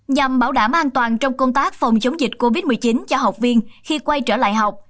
nhằm bảo đảm an toàn trong công tác phòng chống dịch covid một mươi chín cho học viên khi quay trở lại học